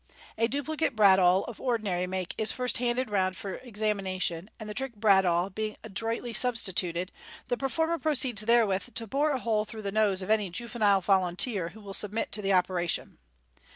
A duplicate bradawl of ordinary make is first handed round for examination, and the trick bradawl being adroitly substi tuted, the performer proceeds therewith to bore a hole through the nose of any juvenile volunteer who will submit to the operation.